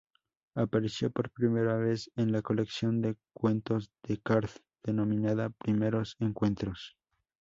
Apareció por primera vez en la colección de cuentos de Card, denominada, "Primeros encuentros".